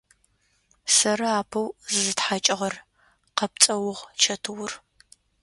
Сэры апэу зызытхьакӏыгъэр! – къэпцӏэугъ Чэтыур.